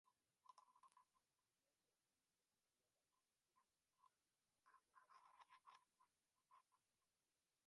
Continuó viajando y realizando apariciones públicas, aunque en ropa de calle.